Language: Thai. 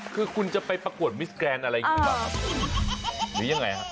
คือคุณจะไปประกวดมิสแกรนด์อะไรอย่างงี้หรือยังไง